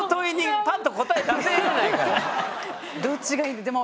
どっちがいいでも。